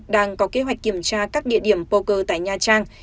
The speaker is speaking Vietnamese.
đang có kế hoạch kiểm tra các địa điểm poker tại nha trang